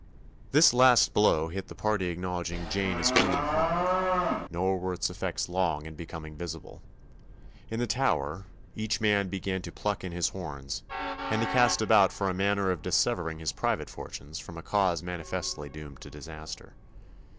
This last blow hit the party acknowledging Jane as Queen hard; nor were its effects long in becoming visible. In the Tower "each man began to pluck in his horns," and to cast about for a manner of dissevering his private fortunes from a cause manifestly doomed to disaster.